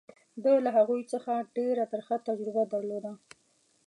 ده له هغوی څخه ډېره ترخه تجربه درلوده.